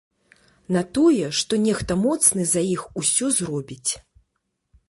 На тое, што нехта моцны за іх усё зробіць.